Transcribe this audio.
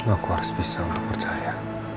aku harus bisa untuk percaya